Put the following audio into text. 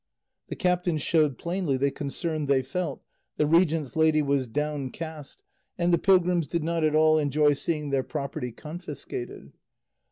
The captains showed plainly the concern they felt, the regent's lady was downcast, and the pilgrims did not at all enjoy seeing their property confiscated.